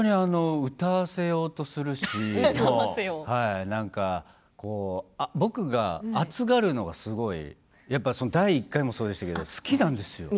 歌わせようとするし僕が熱がるのがすごくやっぱり第１回もそうですけど好きなんですよね。